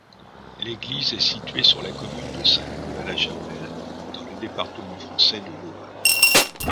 L'église est située sur la commune de Saint-Nicolas-la-Chapelle, dans le département français de l'Aube.